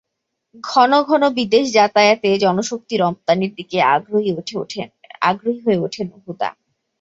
ঘন ঘন বিদেশ যাতায়াতে জনশক্তি রপ্তানির দিকে আগ্রহী হয়ে ওঠেন হুদা।